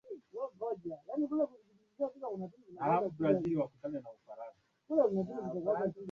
lugha rasmi ya nchi lakini Kiingereza hutumiwa mara nyingi kwa